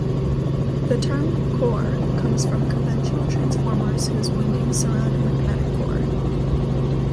The term "core" comes from conventional transformers whose windings surround a magnetic core.